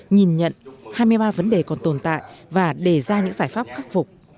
nhìn nhận hai mươi ba vấn đề còn tồn tại và đề ra những giải pháp khắc phục